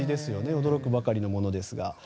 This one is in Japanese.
驚くばかりのものですが。